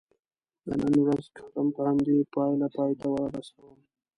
د نن ورځې کالم په همدې پایله پای ته رسوم.